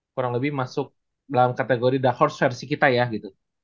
kurang lebih masuk dalam kategori dahorth versi kita ya gitu